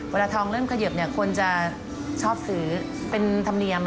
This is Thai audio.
เวลาทองเริ่มเขยิบคนจะชอบซื้อเป็นธรรมเนียม